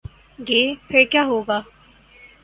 گے، پھر کیا ہو گا؟